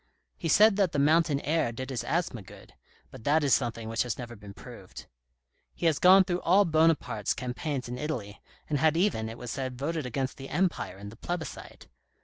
12 THE RED AND THE BLACK He said that the mountain air did his asthma good, but that is something which has never been proved. He has gone through all Buonaparte's campaigns in Italy, and had even, it was said, voted against the Empire in the plebiscite.